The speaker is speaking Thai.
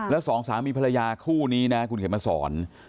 แล้วสองสามีภรรยาคู่นี้นะคุณเข็มมาสอน